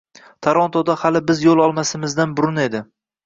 Torontoda hali biz yo’l olmasimizdan burun edi.